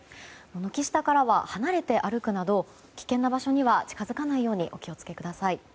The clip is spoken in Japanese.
軒下からは離れて歩くなど危険な場所には近づかないようにお気を付けください。